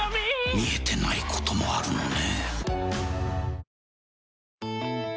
見えてないこともあるのね。